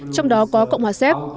trong đó có cộng hòa xéc